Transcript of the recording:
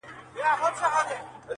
ور په یاد یې د دوږخ کړل عذابونه،